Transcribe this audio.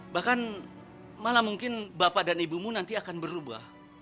bahkan malah mungkin bapak dan ibumu nanti akan berubah